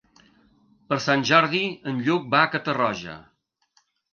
Per Sant Jordi en Lluc va a Catarroja.